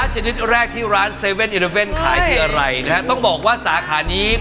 ชนิดแรกที่ร้าน๗๑๑ขายที่อะไรนะฮะต้องบอกว่าสาขานี้